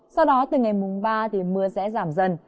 sau đó từ ngày mùng ba thì mưa sẽ giảm dần